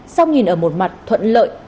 sau nhìn ở một mặt thuận lợi